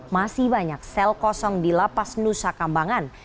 masih banyak sel kosong di lapas nusakambangan